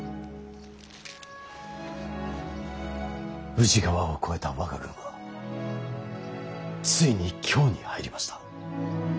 宇治川を越えた我が軍はついに京に入りました。